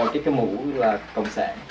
cái mũ là cộng sản